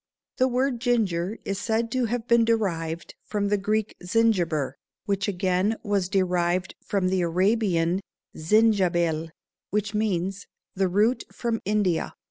The word ginger is said to have been derived from the Greek "Zingiber," which again was derived from the Arabian "Zindschabil," which means the "root from India."